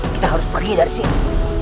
kita harus pergi dari sini